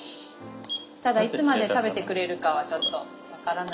ただいつまで食べてくれるかはちょっと分からないです。